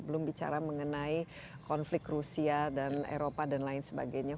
belum bicara mengenai konflik rusia dan eropa dan lain sebagainya